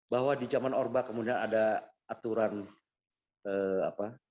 bahwa di zaman orba kemudian ada aturan apa